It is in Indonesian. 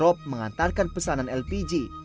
rop mengantarkan pesanan lpg